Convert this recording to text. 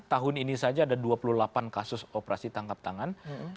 tahun ini saja ada dua puluh delapan kasus operasi tangkap tangan